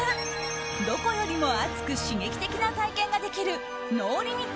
どこよりも熱く刺激的な体験ができるＮＯＬＩＭＩＴ！